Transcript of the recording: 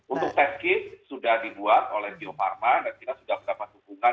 untuk test kit sudah dibuat oleh geopharma dan kita sudah mendapatkan dukungan